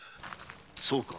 そうか。